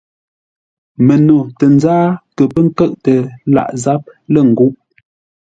Məno tə nzáa kə pə́ nkə́ʼtə lâʼ záp lə́ ńgúʼ.